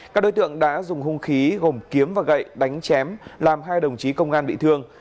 các đối tượng đã dùng hung khí gồm kiếm và gậy đánh chém làm hai đồng chí công an bị thương